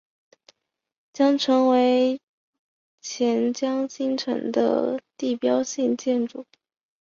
将成为钱江新城的地标性建筑。